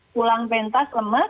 pulang pentas lemes